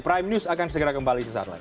prime news akan segera kembali sesaat lagi